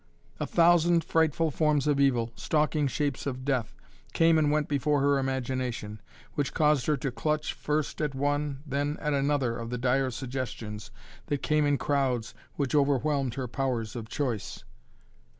A thousand frightful forms of evil, stalking shapes of death, came and went before her imagination, which caused her to clutch first at one, then at another of the dire suggestions that came in crowds which overwhelmed her powers of choice.